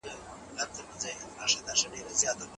پاکیزه اوس لیکنې لیکي.